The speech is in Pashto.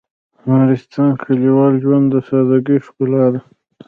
د نورستان کلیوال ژوند د سادهګۍ ښکلا ده.